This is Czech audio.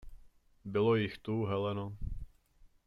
Bylo jich tu, Heleno.